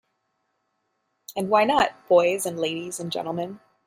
And why not, boys and ladies and gentlemen?